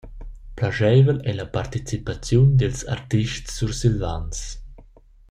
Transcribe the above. Plascheivel ei la participaziun dils artists sursilvans.